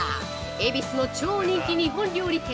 恵比寿の超人気日本料理店